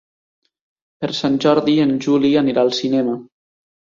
Per Sant Jordi en Juli anirà al cinema.